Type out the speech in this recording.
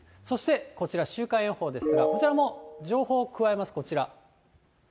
そしてこちら、週間予報ですが、こちらも情報を加えます、こちら。